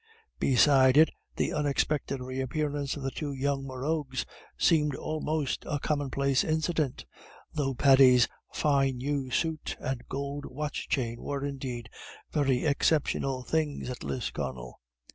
Beside it the unexpected reappearance of the two young Morroughs seemed almost a commonplace incident, though Paddy's fine new suit and gold watch chain were, indeed, very exceptional things at Lisconnel.